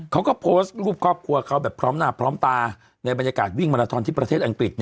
เขาก็โพสต์รูปครอบครัวเขาแบบพร้อมหน้าพร้อมตาในบรรยากาศวิ่งมาลาทอนที่ประเทศอังกฤษ